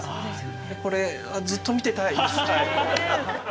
これずっと見てたいです。